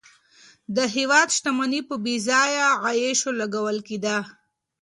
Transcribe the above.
د هېواد شتمني په بېځایه عیاشیو لګول کېده.